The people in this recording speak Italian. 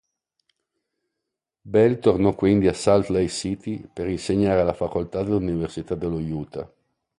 Bell tornò quindi a Salt Lake City per insegnare alla facoltà dell'Università dello Utah.